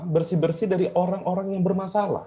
bersih bersih dari orang orang yang bermasalah